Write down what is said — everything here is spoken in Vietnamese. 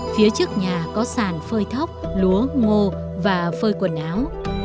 phía trước nhà có sàn phơi thóc lúa ngô và phơi quần áo